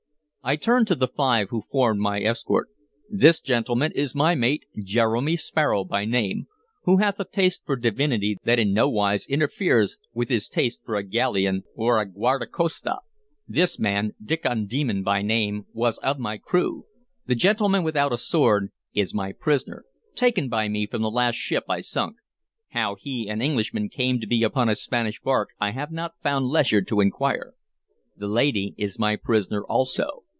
I turned to the five who formed my escort. "This, gentlemen, is my mate, Jeremy Sparrow by name, who hath a taste for divinity that in no wise interferes with his taste for a galleon or a guarda costa. This man, Diccon Demon by name, was of my crew. The gentleman without a sword is my prisoner, taken by me from the last ship I sunk. How he, an Englishman, came to be upon a Spanish bark I have not found leisure to inquire. The lady is my prisoner, also."